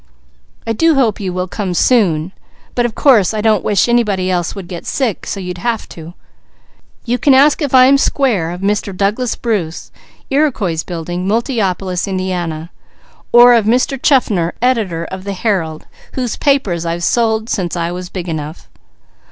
I do hope you will come soon, but of course I don't wish anybody else would get sick so you'd have to. You can ask if I am square of Mr. Douglas Bruce, Iriquois Building, Multiopolis, Indiana, or of Mr. Chaffner, editor of the_ Herald, _whose papers I've sold since I was big enough.